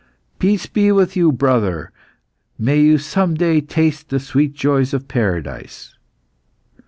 "Peace be with you, brother! May you some day taste the sweet joys of paradise."